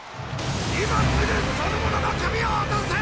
今すぐその者の首を落とせェ！！